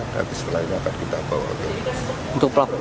nanti setelah ini akan kita bawa ke untuk pelaku